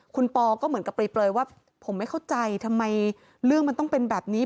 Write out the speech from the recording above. คุณปอก็เหมือนกับเปลยว่าผมไม่เข้าใจทำไมเรื่องมันต้องเป็นแบบนี้